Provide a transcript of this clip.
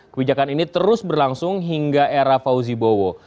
kebijakan ini terus berlangsung hingga era fauzi bowo